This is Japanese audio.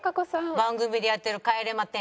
番組でやってる『帰れま１０』。